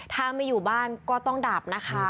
ถ้าไม่อยู่บ้านก็ต้องดับนะคะ